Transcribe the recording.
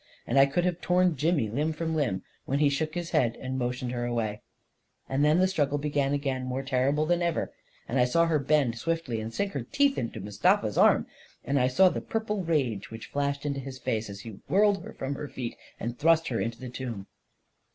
And I could have torn Jimmy limb from limb when he shook his head and motioned her away ... And then the struggle began again, more terrible than ever; and I saw her bend swiftly and sink her teeth into Mustafa's arm; and I saw the purple rage A KING IN BABYLON 257 • which flashed into his face, as he whirled her from her feet and thrust her into the tomb